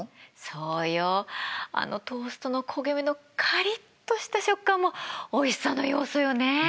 そうよあのトーストの焦げ目のカリッとした食感もおいしさの要素よね。